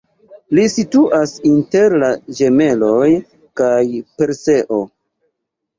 Li situas inter la Ĝemeloj kaj Perseo.